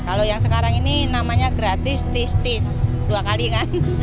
kalau yang sekarang ini namanya gratis tis tis dua kali kan